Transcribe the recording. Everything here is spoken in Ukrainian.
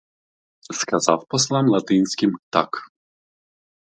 Сказав послам латинським так: